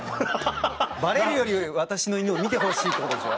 バレるより私の犬を見てほしいってことでしょ？